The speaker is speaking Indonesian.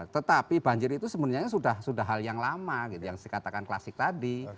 tetapi banjir itu sebenarnya sudah hal yang lama gitu yang dikatakan klasik tadi